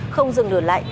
không dừng lửa lại